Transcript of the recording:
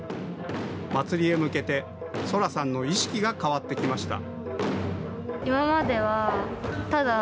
祭りへ向けて、青空さんの意識が変わってきました。